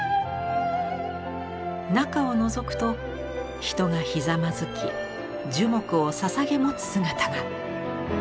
中をのぞくと人がひざまずき樹木をささげ持つ姿が。